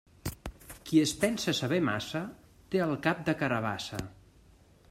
Qui es pensa saber massa, té el cap de carabassa.